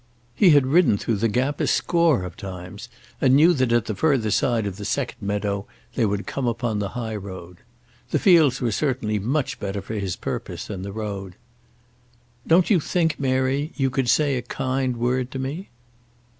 He had ridden through the gap a score of times, and knew that at the further side of the second meadow they would come upon the high road. The fields were certainly much better for his purpose than the road. "Don't you think, Mary, you could say a kind word to me?"